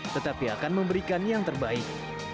tetapi akan memberikan yang terbaik